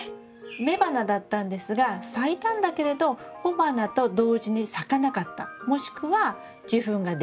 雌花だったんですが咲いたんだけれど雄花と同時に咲かなかったもしくは受粉ができなかった。